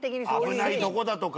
危ないとこだとか。